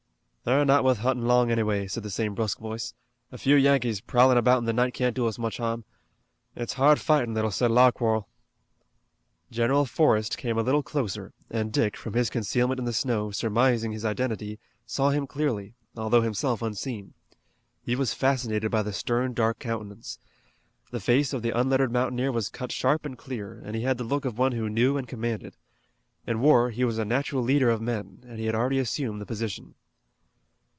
"They're not wuth huntin' long anyway," said the same brusque voice. "A few Yankees prowlin' about in the night can't do us much harm. It's hard fightin' that'll settle our quarrel." General Forrest came a little closer and Dick, from his concealment in the snow, surmising his identity, saw him clearly, although himself unseen. He was fascinated by the stern, dark countenance. The face of the unlettered mountaineer was cut sharp and clear, and he had the look of one who knew and commanded. In war he was a natural leader of men, and he had already assumed the position.